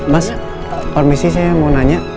mas permisi saya mau nanya